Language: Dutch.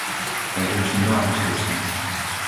Er heerst een wapenstilstand.